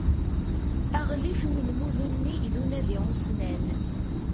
Aɣlif n ulmud unnig d unadi ussnan.